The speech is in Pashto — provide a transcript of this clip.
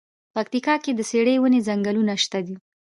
پکتيا کی د څیړۍ ونی ځنګلونه شته دی.